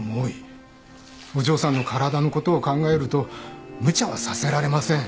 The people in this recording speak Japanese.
お嬢さんの体の事を考えるとむちゃはさせられません。